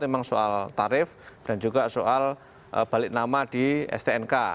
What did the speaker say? memang soal tarif dan juga soal balik nama di stnk